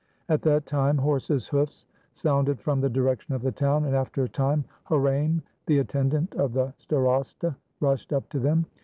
At that time horses' hoofs sounded from the direction of the town; and after a time Horaim, the attendant of the starosta, rushed up to them.